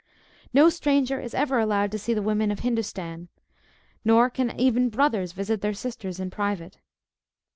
No stranger is ever allowed to see the women of Hindostan, nor can even brothers visit their sisters in private.